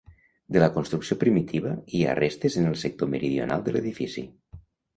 De la construcció primitiva hi ha restes en el sector meridional de l'edifici.